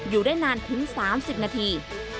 อยู่ได้นานถึง๓๐นาที